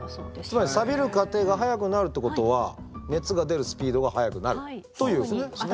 つまりサビる過程が速くなるってことは熱が出るスピードが速くなるということですね。